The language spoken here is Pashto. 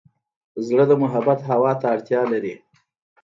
زړه د محبت هوا ته اړتیا لري.